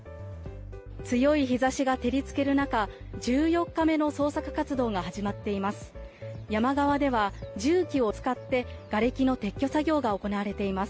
強い日差しが照り付ける中１４日目の捜索活動が始まっています。